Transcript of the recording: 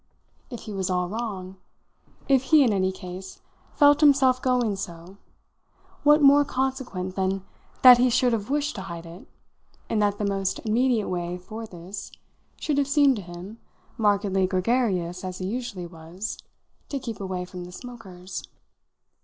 If he was all wrong if he, in any case, felt himself going so what more consequent than that he should have wished to hide it, and that the most immediate way for this should have seemed to him, markedly gregarious as he usually was, to keep away from the smokers?